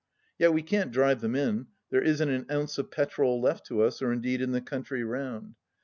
Yet we can't drive them in ; there isn't an ounce of petrol left to us, or indeed in the coimtry round.